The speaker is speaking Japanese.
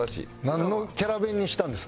なんのキャラ弁にしたんです？